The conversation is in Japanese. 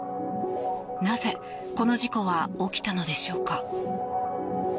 なぜ、この事故は起きたのでしょうか。